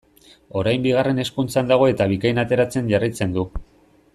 Orain Bigarren Hezkuntzan dago eta Bikain ateratzen jarraitzen du.